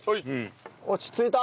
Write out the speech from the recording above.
落ち着いた。